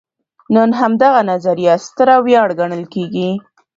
نن همدغه نظریه ستره ویاړ ګڼل کېږي.